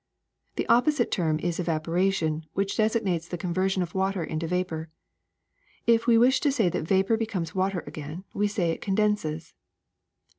The opposite term is evaporation, which designates the conversion of water into vapor. If we wish to say that vapor becomes water again, we say it condenses.